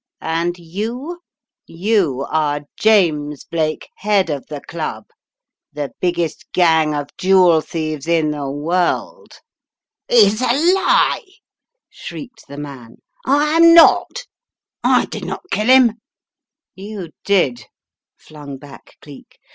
And you — you are James Blake, head of the Club, the biggest gang of jewel thieves in the world!" "It's a lie!" shrieked the man. "I am not. I did not kill him!" Urdwisting the Threads 271 "You did," flung back Cleek.